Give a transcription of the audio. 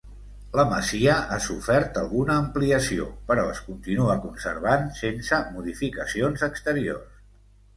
La masia ha sofert alguna ampliació, però es continua conservant sense modificacions exteriors.